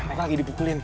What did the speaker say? aku lagi dibukulin